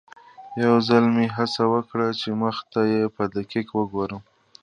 یو ځل مې هڅه وکړه چې مخ ته یې په دقت وګورم.